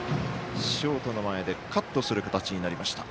ショートの前でカットする形になりました。